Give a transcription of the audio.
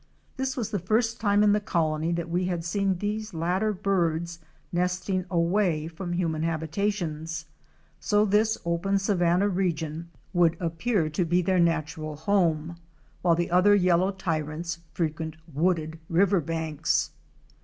This was the first time in the Colony that we had seen these latter birds nesting away from human habita tions, so this open savanna region would appear to be their 358 OUR SEARCH FOR A WILDERNESS. natural home, while the other yellow Tyrants frequent wooded river banks.